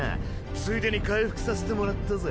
ついでに回復させてもらったぜ。